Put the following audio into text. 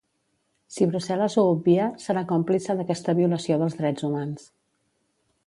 Si Brussel·les ho obvia, serà còmplice d’aquesta violació dels drets humans.